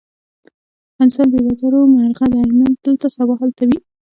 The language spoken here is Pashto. انسان بې وزرو مرغه دی، نن دلته سبا هلته وي.